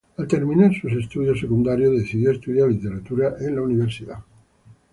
Al terminar sus estudios secundarios decidió estudiar literatura en la universidad.